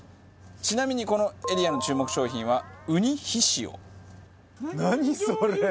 ちなみにこのエリアの注目商品は雲丹醤。